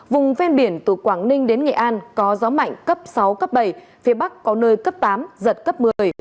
vùng ven biển từ quảng ninh đến nghệ an có gió mạnh cấp sáu cấp bảy phía bắc có nơi cấp tám giật cấp một mươi